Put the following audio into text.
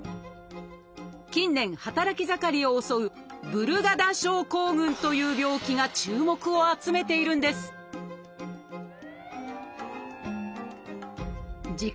近年働き盛りを襲う「ブルガダ症候群」という病気が注目を集めているんです自覚